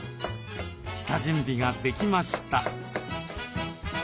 下準備ができました。